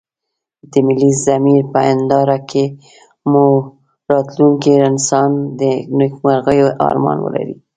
د ملي ضمير په هنداره کې مو راتلونکی انسان د نيکمرغيو ارمان ولري.